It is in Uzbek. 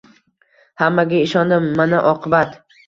Hammaga ishondim, mana oqibat: